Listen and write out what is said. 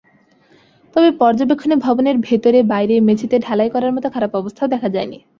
তবে পর্যবেক্ষণে ভবনের ভেতরে-বাইরে মেঝেতে ঢালাই করার মতো খারাপ অবস্থাও দেখা যায়নি।